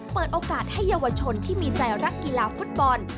เปิดโอกาสให้เยาวชนที่มีใจรักกีฬาฟุตบอล